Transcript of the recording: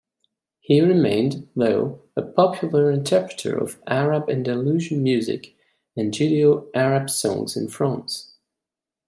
He remained, though, a popular interpreter of Arab-Andalusian music and Judeo-Arab songs in France.